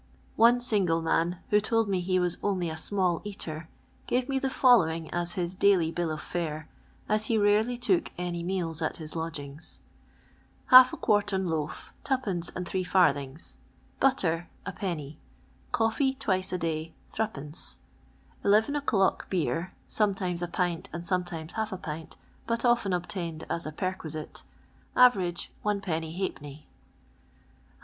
One single man, who told me he was only a small cater, gave me the following as his dailt/ bill of fare, as he rarely took any meals at his lodgings : s. d. Half quartern loaf .... 0 2J Butter 0 1 Coffee (twice a day) ... .03 Eleven o'clock beer, sometimes a pint and sometimes half a pint, but often obtained as a perquisite .. (average) 0 1^ ^ lb.